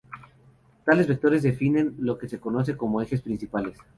Tales vectores definen lo que se conoce como ejes principales.